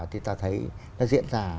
thì ta thấy nó diễn ra